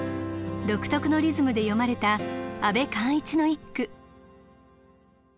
独特のリズムで詠まれた阿部完市の一句。